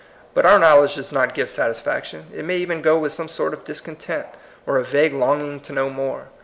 But our knowledge does not give satisfaction ; it may even go with some sort of discontent, or a vague long ing to know more.